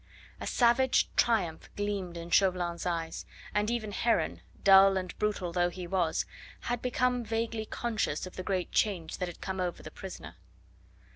A savage triumph gleamed in Chauvelin's eyes, and even Heron, dull and brutal though he was, had become vaguely conscious of the great change that had come over the prisoner.